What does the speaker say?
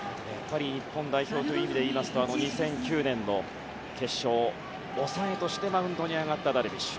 日本代表という意味でいいますと２００９年の決勝で抑えとしてマウンドに上がったダルビッシュ。